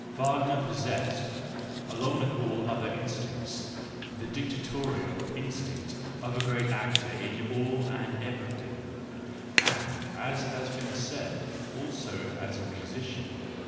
Wagner possessed, along with all other instincts, the dicta¬ torial instinct of a great actor in all and everything, and as has been said, also as a musician.